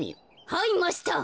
はいマスター。